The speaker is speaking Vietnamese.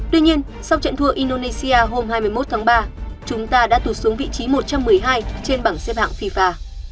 tuy nhiên sau trận thua indonesia hôm hai mươi một tháng ba chúng ta đã tụt xuống vị trí một trăm một mươi hai trên bảng xếp hạng fifa